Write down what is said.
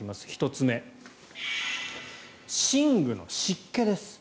１つ目、寝具の湿気です。